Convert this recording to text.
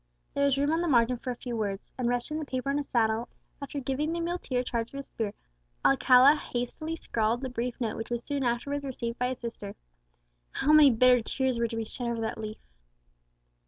There was room on the margin for a few words; and resting the paper on his saddle, after giving the muleteer charge of his spear, Alcala hastily scrawled the brief note which was soon afterwards received by his sister. How many bitter tears were to be shed over that leaf!